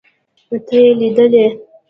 ته يې ليدلې.